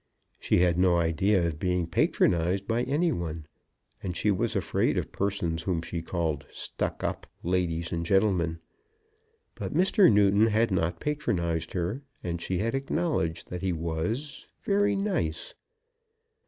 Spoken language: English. She had no idea of being patronised by any one, and she was afraid of persons whom she called "stuck up" ladies and gentlemen. But Mr. Newton had not patronised her, and she had acknowledged that he was very nice.